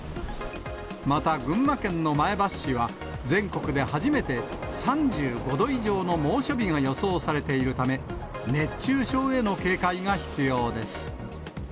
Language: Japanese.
また群馬県の前橋市は、全国で初めて３５度以上の猛暑日が予想されているため、熱中症への警戒が必要です。